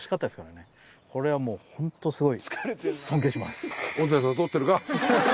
これはもう本当スゴい。